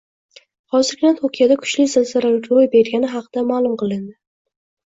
Hozirgina Tokioda kuchli zilzila ro‘y bergani haqida ma’lum qilindi